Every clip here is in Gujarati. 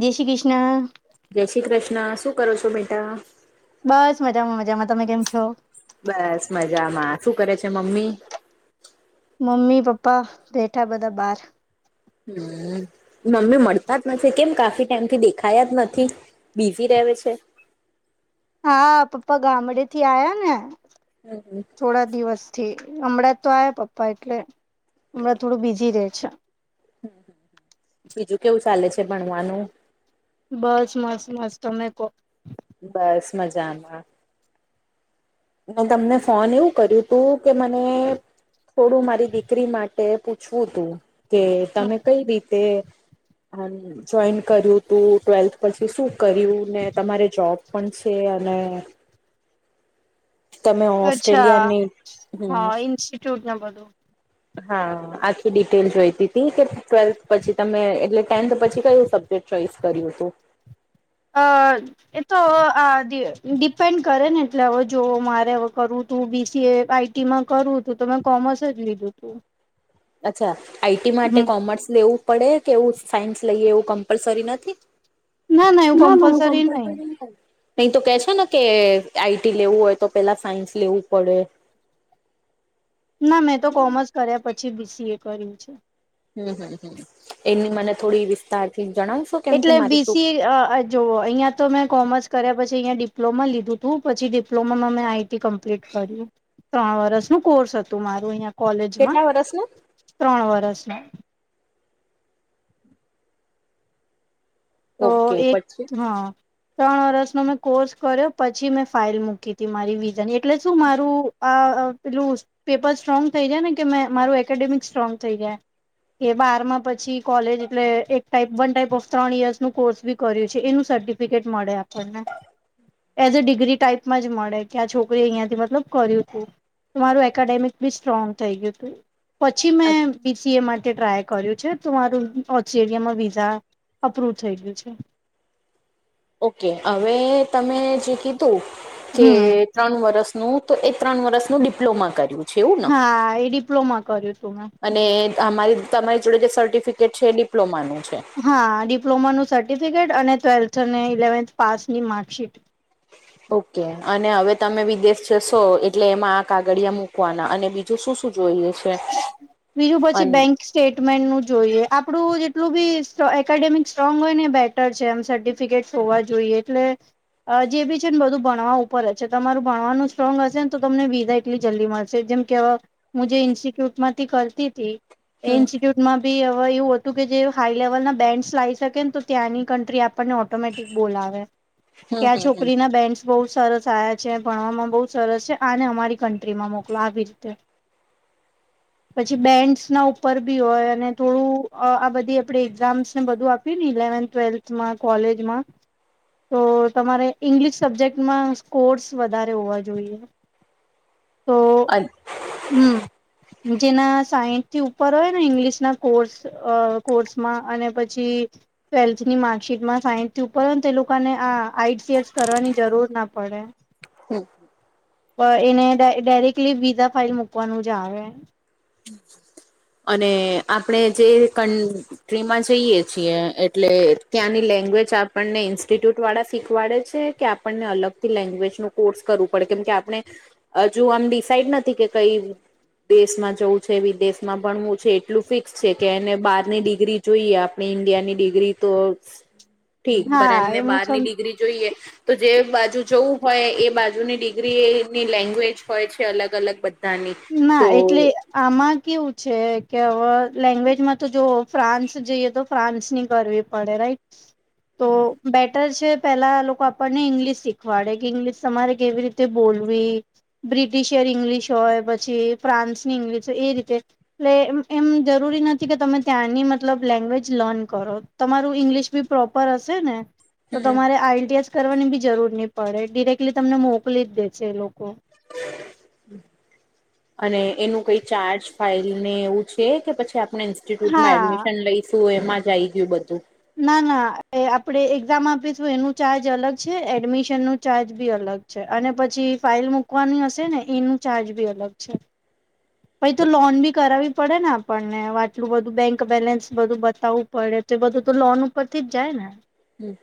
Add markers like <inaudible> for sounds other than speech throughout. જય શ્રી કૃષ્ણ જય શ્રી કૃષ્ણ શું કરો છો બેટા બસ મજામાં મજામાં તમે કેમ છો બસ મજામાં શું કરે છે મમ્મી મમ્મી પપ્પા બેઠા બધા બહાર હમ્મ મમ્મી મળતા જ નથી કેમ કાફી ટાઈમ થી દેખાયા જ નથી બીઝી રેવે છે હા પપ્પા ગામડેથી આ્યા ને હમ્મ હમ્મ થોડા દિવસ થી હમણાં તો આ પપ્પા એટલે હમણાં થોડું બિઝી રે છે બીજું કેવું ચાલે છે ભણવાનું બસ મસ્ત મસ્ત તમે કો બસ મજામાં મે તમને ફોન એવું કર્યું તું કે મને થોડું મારી દીકરી માટે પૂછવું તું કે તમે હમ. કઈ રીતે જોઈન કર્યું તું ટ્વેલ્થ પછી શું કર્યું ને તમારે જોબ પણ છે અને તમે અચ્છા ઓસ્ટ્રેલિયાની હમ્મ હા ઇન્સ્ટિટ્યૂટ ને બધું હા આખી ડિટેલ જોઈતી હતી કે ટ્વેલ્થ પછી તમે એટલે ટેન્થ પછી કયું સબ્જેક્ટ ચોઈસ કર્યું હતું <inaudible> એ તો હવે આ ડિપેન્ડ કરે ને એટલે હવે જો મારે હવે કરું તું બીસીએ આ આઈ ટી મા કરવું તું તો મેં કોમર્સ જ લીધું તું અચ્છા આઈટી માટે હમ કોમર્સ લેવું પડે કે એવું સાયન્સ લઈએ એવું કમ્પલસરી નથી ના ના એવુ કમ્પલસરી ની હતુ અહી તો કે છે ને કે આઈટી લેવું હોય તો પેલા સાયન્સ લેવું પડે ના ના મેં તો કોમર્સ કર્યા પછી બીસીએ કર્યું છે હમ્મ એની મને થોડી વિસ્તારથી જણાવશો કેમ કે મારી છોકરી <inaudible> જોઓ અહીંયા તો મેં કોમર્સ કર્યા પછી અહીંયા ડિપ્લોમા લીધું તું પછી ડિપ્લોમામાં મેં આઈટી કંપ ત્રણ વર્સનું કોર્સ હતું મારું અહિયા કોલેજમાં કેટલા વર્ષ ને ત્રણ વરષ તો ઓકે એક પછી હા ત્રણ વર્સનો મેં કોર્સ કર્યો પછી મેં ફાાઈલ મૂકી હતી મારી વિઝન એટલે શું મારું પેલું પેપર સ્ટ્રોંગ થઈ જાય ને કે મારું એકેડેમિક સ્ટ્રોંગ થઈ જાય કે બારમાં પછી કોલેજ એટલે એક ટાઈપ વન ટાઈપ ઓફ ત્રણ યર્સ નું કોર્સ બી કર્યું છે એનું સર્ટિફિકેટ મળે આપણને એઝ અ ડિગ્રી ટાઈપમાં જ મળે કે આ છોકરીએ અહિયા થી મતલબ કર્યું હતું મારું એકડેમિક બી સ્ટ્રોંગ થઈ ગયું હતું પછી મેં બીસીએ માટે ટ્રાય કર્યું છે તો મારું ઓચરિયામાં વિઝા અપ્રુવ થઈ ગયું છે ઓકે હવે તમે જે કીધું કે હમ ત્રણ વર્સનું તો એ ત્રણ વર્ષનું ડિપ્લોમા કર્યું છે એવું ને હા એ ડિપ્લોમા કર્યું હતું મેં અને અમારી- તમારી જોડે જે સર્ટિફિકેટ છે એ ડિપ્લોમાનું છે. હા, ડિપ્લોમાનું સર્ટિફિકેટ અને ટ્વેલ્થ અને ઇલેવન્થ પાસની માર્કશીટ. ઓકે, અને અવે તમે વિદેશ જશો એટલે એમાં આ કાગળિયા મુકવાના અને બીજુ જો, શું-શું જોઈએ છે, બીજું પછી અન બેંક સ્ટેટમેન્ટનું જોઈએ, આપણું જેટલું બી સ્ટ્રોં એકેડેમિક સ્ટ્રોંગ હોય ને બેટ છે, એમ સર્ટિફિકેટ હોવા જોઈએ એટલે અજેબી છે ને બધું ભણવા ઉપર જ છે, તમારું ભણવાનું સ્ટ્રોંગ હશે ને તો તમને વીજાય કેટલી જલ્દીમાં છે, જેમ કે અ હું જે ઇન્સ્ટિટ્યુટમાંથી કરતીતી એ હમ ઇન્સ્ટિટુટ માંબી હવ એવું હતું કે, જે હાઈ લેવલ ના બેન્ડસ લાવી શકેને તો ત્યાંની કન્ટ્રી આપ આપડને ઓટોમેટિક બોલા કે આ છોકરીના બેન બહુ સરસ આયા છે, ભણવામાં બહુ સરસ છે, આને અમારી કન્ટ્રીમાં મોકલો આવી રીતે પછી બેન્ડસ ના ઉપર બી હોય, અને થોડું અ આ બધી આપડે એક્ઝામ્સ ને બધું આપ ની ઇલેવન્થ ટ્વેલ્થમાં કોલેજમાં તો, તમારે ઈંગ્લિશ સબ્જેક્ટમાં સ્કોર્સ વધારે હોવા જોઈએ. તો અન હમ્મ જેના સાહીઠથી ઉપર હોય ને, ઈંગ્લિશના કોર્સ અ કોર્સમાં અને પછી ટ્વેલ્થની માર્કશીટમાં સાહીઠથી ઉપર હોય તે, લોકાને આ આઈસીએસ કરવાની જરૂર ના પડે હમ્મ પ એને ડાય ડાયરેક્ટલી વિઝા ફાઇલ મુકવાનું જ આવે અને આપણે જે કન ટ્રીમાં જઈએ છીએ, એટલે ત્યાંની લેંગ્વેજ આપણને ઇન્સ્ટિટ્યુટ વાળા શીખવાડે છે કે આપ આપણને અલગથી લેંગ્વેજનું કોર્સ કરવું પડે કેમ કે આપણે અજુ આમ ડિસાઈડ નથી કે કઈ દેશમાં જવું છે, વિદેશ માં ભણવુ છે, એટલું ફિક્સ છે કે, એને બારની ડિગ્રી જોઈએ આપણી ઈન્ડિયાની ડિગ્રી તો ઠીક પણ, હા એમને એ હું બારની સમજ ડિગ્રી જોઈએ તો, જે બાજુ જવું હોય એ બાજુની ડિગ્રીની લેંગ્વેજ હોય છે, અલગ અલગ બધી ના, એટલે આમાં કેવું છે કે અવ લેંગ્વેજમાં તો જો ફ્રાન્સ જઈએ તો ફ્રાન્સની કરવી પડે રાઈટ તો બેટર છે પેલા લોકો આપણને ઇંગ્લિશ શીખવાડે કે ઇંગ્લિશ તમારે કેવી રીતે બોલવી બ્રિટિશયર ઇંગ્લિશ હોય, પછી ફ્રાન્સની ઇંગ્લિશ હોય એ રીતે એટલે એમ એમ જરૂરી નથી કે, તમે ત્યાંની મતલબ લેંગ્વેજ લર્ન કરો. તમારું ઈંગ્લિશ બી પ્રોપર હશે ને તો, હમ તમારે આઈએલટીએસ કરવાની બી જરૂર ની પડે ડિરેક્ટલી તમને મોકલી જ દે છે, એલોકો <inaudible> અને, એનું કઈ ચાર્જ ફાઈલ ને એવું છે કે, પછી આપણે ઇન્સ્ટિટ્યુટમાં હા એડમિશન લઈ શું એમાં જ આઈ ગીયું બધું ના, ના, એ આપણે એક્ઝામ આપીશું એનું ચાર્જ અલગ છે, એડમિશનનું ચાર્જ બી અલગ છે, અને પછી ફાઇલ મૂકવાની હશે ને એનું ચાર્જ બી અલગ છે પણ, ઈતો લોન બી કરાવવી પડે ને આપણને આટલું બધું બેંક બેલેન્સ બધું બતાવું પડે તો, એ બધું તો લોન ઉપરથી જ જાય ને. હમ!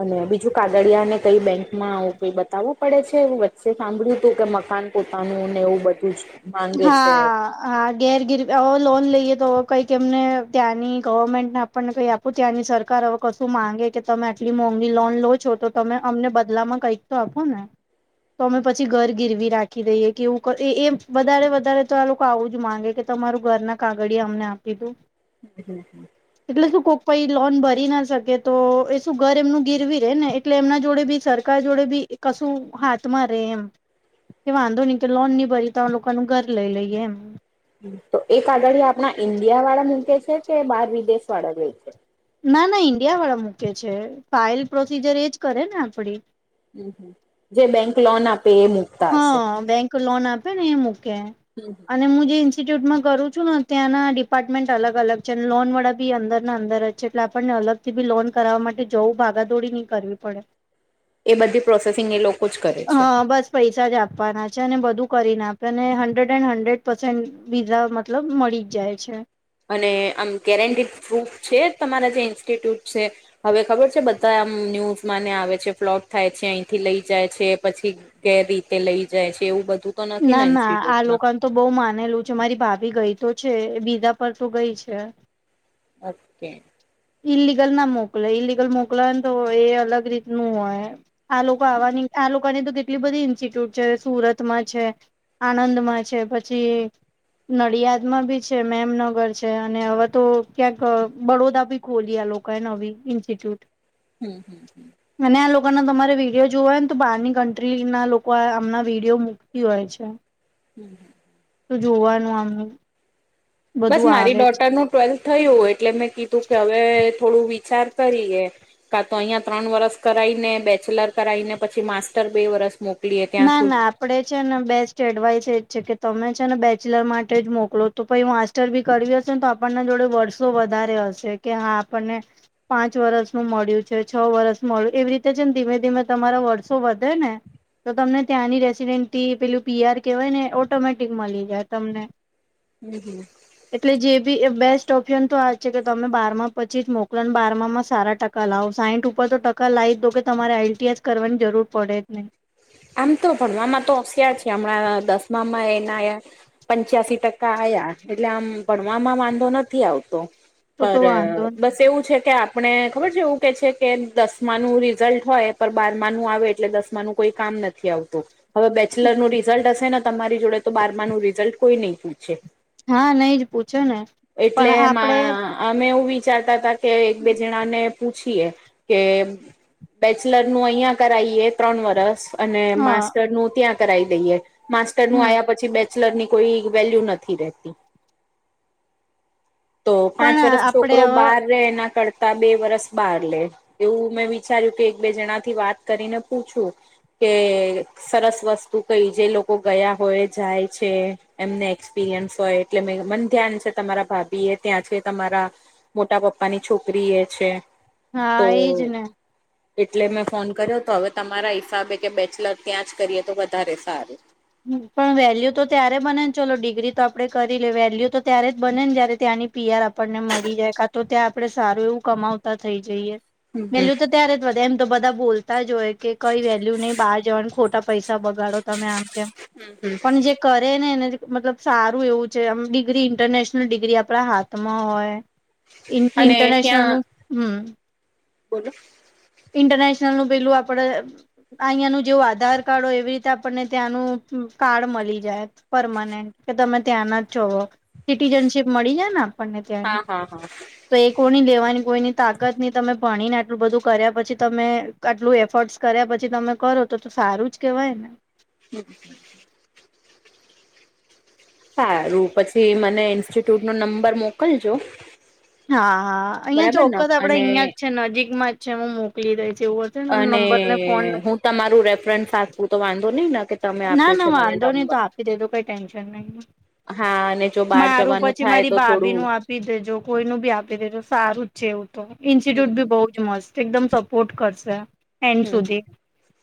અને બીજું કાગડિયાને કઈ બેંકમાં આવું કઈ બતાવું પડે છે, વચ્ચે સાંભળ્યું હતું કે મકાન પોતાનું ને એવું બધું જ માંગે છે હા. હા, ઘેર ગીર અવે લોન લઈએ તો કંઈક એમને ત્યાંની ગવર્મેન્ટ આ પણને કઈ આપું ત્યાંની સરકાર અવે કશું માંગે કે, તમે આટલી મોંઘી લોન લો છો, તો તમે અમને બદલામાં કઈક તો આપો ને, તો અમે પછી ઘર ગીરવી રાખી દઈએ કે એવું ક એ એ વધારે વધારે તો આ લોકો આવું જ માંગે કે તમારું ઘરના કાગળ અમને આપી દો <inaudible> એટલે શું કોઈક કોઈ લોન ભરી ના શકે તો એ શું ઘર એમનું ગેરવી રે ને એટલે એમના જોડે બી સરકાર જોડે બી કશું હાથમાં રે એમ કે વાંધો નહી કે લોન ન ભરી તો લોકોનું ઘર લઈ લઈએ એમ. તો એ આગળ આપણા ઈન્ડિયા વાળા મૂકે છે કે બાર વિદેશ વાળા લે છે ના ના ઈન્ડિયા વાળા મૂકે છે ફાઇલ પ્રોસીજર એજ કરે ને આપડી જે બેંક લોન આપે એ મૂકતા હશે હા બેંક લોન આપે ને એ મૂકે <inaudible> અને હું જે ઇન્સ્ટિટ્યુટમાં કરું છું ને ત્યાં ડિપાર્ટમેન્ટ અલગ અલગ છે અને લોન વળા બી અંદરના અંદર જ એટલે આપણને અલગથી બી લોન કરાવવા માટે જવું ભાગાદોડી નઈ કરવી પડે એ બધી પ્રોસેસિંગ એ લોકો જ કરે છે. હા બસ પૈસા જ આપવાના છે અને બધું કરીને આપે અને હંડ્રેડ એન્ડ પર્સેન્ટ વીઝા મતલબ મળી જ જાય છે. અને આમ કેરેન્ડી ફ્રૂટ છે તમારા જે ઇન્સ્ટિટ્યુટ છે હવે ખબર છે બધા આમ ન્યૂઝ માને આવે છે ફ્લોટ થાય છે અહીંથી લઈ જાય છે પછી કેર રીતે લઈ જાય છે એવું બધું તો નથી ના ના આ ઇન્સ્ટિટ્યુટમાં લોકોને તો બઉુ માનેલું છે મારી ભાભી ગઈ તો છે બીજા પર તો ગઈ છે. ઓકે. ઈલિગલ ના મોકલે ઈલિગલ મોકલ ને તો એ અલગ રીતનું હોય એમ આ લોકો આવાની આ લોક ની તો કેટલી બધી ઇન્સ્ટિટ્યૂટ છે સુરતમાં છે આણંદમાં છે પછી નડિયાદમાં બી છે મેમનગર છે અને હવે તો ક્યાંક બડોદા બી ખોલીયા લોકો એ નવી ઇન્સ્ટિટ્યૂટ હમ્મ હમ્મ હમ્મ અને આ લોકોના તમારે વિડીયો જોવા હોય ને તો બહારની કન્ટ્રી ના લોકો આમના વિડીયો મૂકતી હોય છે હમ્મ તો જોવાનું આમ બસ બધું મારી આવે છે ડોટારનું ટ્વેલ્થ થયું એટલે મેં કીધું કે હવે થોડું વિચાર કરીએ. કા તો અહીયા ત્રણ વરસ કરાઈ ને બેચલર કરાવાઈને પછી માસ્ટર બે વરસ મોક ના ના આપણે છે ને બેસ્ટ એડવાઈસ એજ છે કે તમે છે ને બેચલર માટે જ મોકલો તો પહિ <unintelligible> હશે ને તો આપણના જોડે વર્ષો વધારે હશે કે હા આપણને પાંચ વરસ નું મળ્યું છે છ વરસ મળ્યું એવી રીતે જેમ ધીમે ધીમે તમારા વર્ષો વધે ને તો તમને ત્યાંની રેસીિડન્ટથી પેલું પીઆર કહેવાય ને ઓટોમેટિક મળી જાય તમને. હમ્મ હમ્મ એટલે જે બી બેસ્ટ ઓપ્શન તો આ છે કે તમે બારમા પછી જ મોકલા બાર માં સારા ટકા કલાઓ સાઈઠ ઉપર તો ટકા લાવી જ દો કે તમારે આલટીઅસ જ કરવાની જરૂર પડે જ નહી આમ તો ભણવામાં તો હોશિયાર છે હમણાં દસમામાં એના આયા પંચ્યાસી ટકા આયા એટલે આમ ભણવામાં વાંધો નથી આવતો તો તો પર વાંધો ન બસ એવું છે કે આપ આપણે ખબર છે એવું ક છે કે દસમાનું રિઝલ્ટ હોય પર બારમાનું આવે એટલે દસ મા નું કોઈ કામ નથી આવતું હવે બેચલરનું રિઝલ્ટ હશે ને તમારી જોડે તો બારમાનું રિઝલ્ટ કોઈ નહી પૂછે હા નઈ જ પૂછો ને એટલે પણ આપડે અમે એવું વિચારતા હતા કે એક બે જણાને પૂછીએ કે બેચલર નું અહિયા કરાઈએ ત્રણ વરસ અને હા માસ્ટર નું ત્યાં કરાવ દઈએ માસ્ટર નું હમ આ્યા પછી બે બેચલર ની કોઈ વેલ્યુ નથી રહેતી તો પાંચ પણ વરષ આપડે છોકરો હવે બહાર રે એના કરતા બે વરસ બહાર લે એવું મેં વિચાર્યું કે એક બે જણા થી વાત કરીને પૂછું. કે સરસ વસ્તુ કઈ જે લોકો ગયા હોય જાય છે. એમને એક્સપિરિયન્સ હોય એટલે મે મને ધ્યાન છે તમારા ભાભી એ ત્યાં છે તમારા. મોટા પપ્પા ની છોકરી એ છે. તો હા એજ ને એટલે મેં ફોન કર્યો તો હવે તમારા હિસાબે કે બેચલર ત્યાં જ કરીએ તો વધારે સારું પણ વેલ્યુ તો ત્યારે બને ને ચલો ડિગ્રી તો આપડણે કરી લે વેલ્યુ તો ત્યારે જ બને ને જય્યારે ત્યાંની. પીયર આપણને મળી જાય કા તો ત્યાં આપડે સારું એવું કમાવતા થઈ જઈએ. હમ વેલ્યુ તો ત્યારે જ વધે એમ તો બધા બોલતા હોય કે કઈ વેલ્યુ નહી બહાર જવાનું ખોટા. પૈસા બગાડો તમે આમ તેમ. હમ્મ પણ જે કરે ને એને મતલબ સારું એવું છે આમ ડિગ્રી ઇન્ટરનેશનલ ડિગ્રી આપણા હાથ. હાથમા હોય અને ઇન્ટરનેશનલ ત્યાં નું હમ્મ બોલો. ઇન્ટરનેશનલ નું પેલું આપડે અહંયાનું જેવું આધાર કાર્ડ હોય એવી રીતે આપણને. ત્યાંનું કાર્ડ મળી જાય પરમાનન્ટ કે તમે ત્યાં ના જ છો. સિટીઝનશીપ મળી જાય ને આપણને હા ત્યાંની. હા હા તો એ કોની લેવાની કોઈની તાકત નહી તમે ભણીને આટલું બધું કર્યા પછી તમે. આટલું એફર્ટ્સ કર્યા પછી તમે કરો તો તો સારું જ કહેવાય ને. હમ્મ સારું પછી મને ઇન્સ્ટિટ્યૂટ નો નંબર મોકલજો. હા હા અહિયાયા બરાબર ને ચોક્કસ આપડે અને અહિયાં જ છે નજીકમાં જ છે એ મોકલી દે છે એવું. હશે ને અને નંબર ને ફોન હું તમારું રેફરન્સ સાપું તો વાંધો નહી ના. કે તમે ના આપ્યું છે ના મને વાંધો નહી તો નંબર આપી દીદો તો કઈ ટેન્શન નહી હા અને જો બહાર મારું જવાનું પછી થાય મારી તો ભાભી થોડું નું આપ. આપી દેજો કોઈ નુ ભી આપી દેજો સારું જ છે એવું તો હમ ઇન્સ્ટિટ્યુટ બી બહુ. મસ્ત એકમ સપોર્ટ કરશે એન્ડ હમ સુધી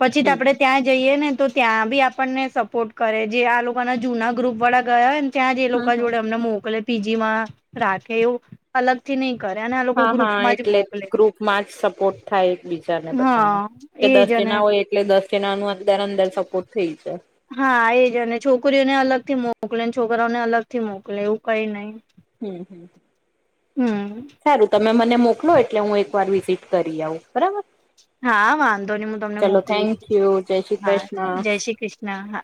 પછી હમ આપડે ત્યાં જઈએ ને તો. ત્યાં બી આપણને સપોર્ટ કરે જે આ લોકોના જૂના ગ્રુપ વાળા ગયા હોયને ત્યાં જે હમ લોકો હમ જોડે અમને મોકલે પીજી માં રાખે એવું અલગ. થી નહી કરે અને આ લોકો હા હા ગ્રુપમાં જ એટલે મોકલે ગ્રુપમાં જ સપોર્ટ થાય એક બીજાને બધાને. હા કે દસ એજ અને જણા હોય એટલે દસ જણા નુ અંદર અંદર સપોર્ટ થઈ છે. હા એ જ અને છોકરીઓને અલગ થી મોકલેને છોકરાઓને અલગ થી મોકલે એવું કઈ નહી. હમ્મ હમ્મ હમ સારું તમે મને મોકલો એટલે હું એકવાર વિઝિટ કરી આવુ બરાબર. હા વાંધો નહિ હું તમને ચલો મોકલી થેન્ક દઉ યુ જય શ્રી હા કૃષ્ણ જય શ્રી કૃષ્ણ હા